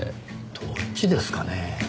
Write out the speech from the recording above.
どっちですかね。